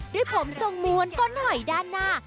ด้วยผมทรงม้วนก้นหอยด้านหน้า